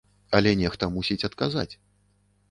Але нехта мусіць адказаць.